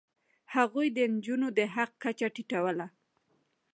هغوی د نجونو د حق کچه ټیټوله.